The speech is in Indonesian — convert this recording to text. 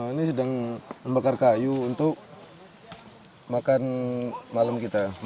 ini sedang membakar kayu untuk makan malam kita